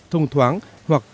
thông thoáng hoặc